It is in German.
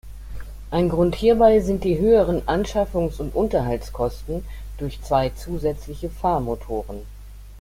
Ein Grund hierbei sind die höheren Anschaffungs- und Unterhaltskosten durch zwei zusätzliche Fahrmotoren.